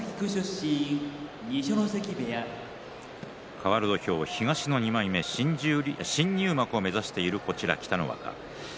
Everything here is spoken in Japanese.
かわる土俵、東の２枚目新入幕を目指している北の若。